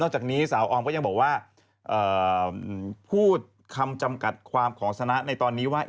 จากนี้สาวออมก็ยังบอกว่าพูดคำจำกัดความของสนะในตอนนี้ว่า